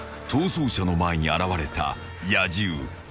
［逃走者の前に現れた野獣］